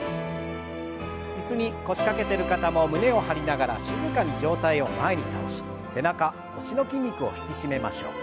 椅子に腰掛けてる方も胸を張りながら静かに上体を前に倒し背中腰の筋肉を引き締めましょう。